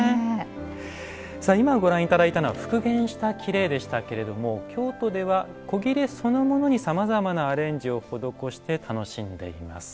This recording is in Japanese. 今ご覧頂いたのは復元した裂でしたけれども京都では古裂そのものにさまざまなアレンジを施して楽しんでいます。